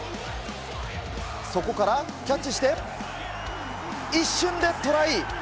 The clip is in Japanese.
そこからキャッチして、一瞬でトライ。